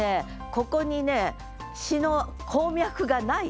ここにね詩の鉱脈がない。